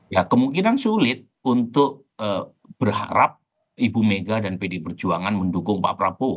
ya kemungkinan sulit untuk berharap ibu mega dan pd perjuangan mendukung pak prabowo